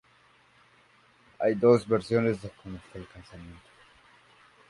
Hay dos versiones de como fue el casamiento.